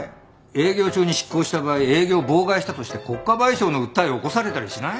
営業中に執行した場合営業を妨害したとして国家賠償の訴えを起こされたりしない？